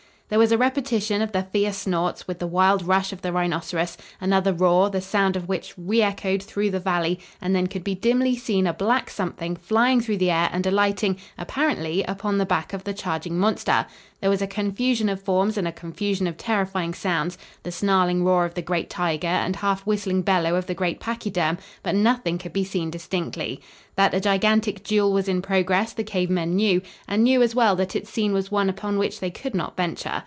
There was a repetition of the fierce snorts, with the wild rush of the rhinoceros, another roar, the sound of which reechoed through the valley, and then could be dimly seen a black something flying through the air and alighting, apparently, upon the back of the charging monster. There was a confusion of forms and a confusion of terrifying sounds, the snarling roar of the great tiger and half whistling bellow of the great pachyderm, but nothing could be seen distinctly. That a gigantic duel was in progress the cave men knew, and knew, as well, that its scene was one upon which they could not venture.